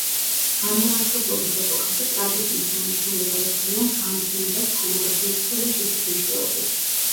განმანათლებლობის ეპოქაში ტრაგედიის დანიშნულებად თვლიან განწმენდას თანაგრძნობისა და შიშის მეშვეობით.